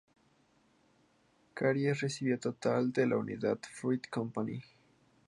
Carias recibió total apoyo de la United Fruit Company.